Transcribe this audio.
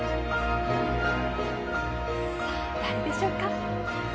さぁ誰でしょうか？